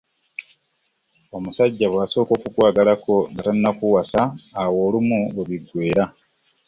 Omusajja bw'asooka okukwagalako nga tannakuwasa awo olumu we biggweera.